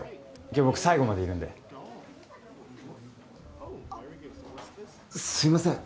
今日僕最後までいるんですいません